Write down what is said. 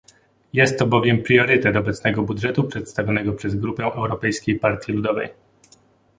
Jest to bowiem priorytet obecnego budżetu przedstawionego przez Grupę Europejskiej Partii Ludowej